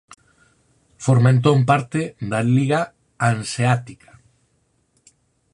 Forma entón parte da Liga Hanseática.